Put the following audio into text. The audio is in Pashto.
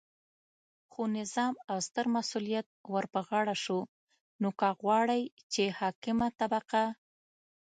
خو نظام او ستر مسؤلیت ورپه غاړه شو، نو که غواړئ چې حاکمه طبقه